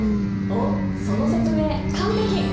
おっその説明完璧！